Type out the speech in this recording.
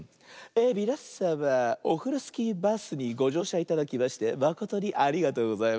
みなさまオフロスキーバスにごじょうしゃいただきましてまことにありがとうございます。